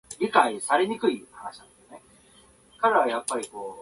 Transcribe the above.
長野県松本